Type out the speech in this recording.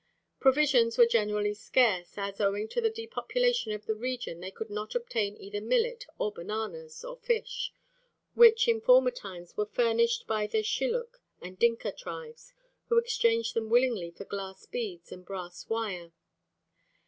Provisions were generally scarce, as owing to the depopulation of the region they could not obtain either millet or bananas, or fish, which in former times were furnished by the Shilluk and Dinka tribes who exchanged them willingly for glass beads and brass wire.